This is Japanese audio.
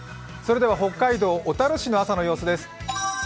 北海道小樽市の朝の様子です。